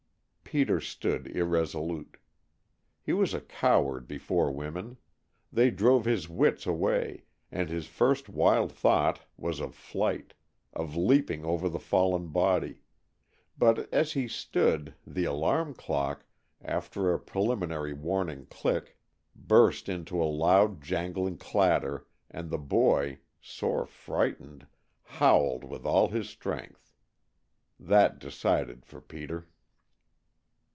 Peter stood, irresolute. He was a coward before women; they drove his wits away, and his first wild thought was of flight of leaping over the fallen body but, as he stood, the alarm clock, after a preliminary warning cluck, burst into a loud jangling clatter and the boy, sore frightened, howled with all his strength. That decided for Peter.